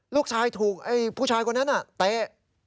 ลูกชายถูกผู้ชายคนนั้นน่ะแต๊